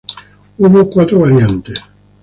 Hubo cuatro variantes.